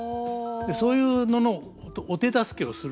そういうののお手助けをするのが。